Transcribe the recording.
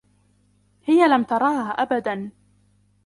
هى لم تراها أبداً.